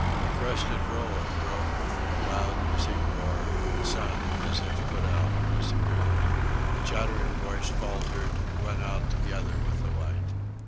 A crested roller broke with a loud hissing roar, and the sun, as if put out, disappeared. The chattering voice faltered, went out together with the light.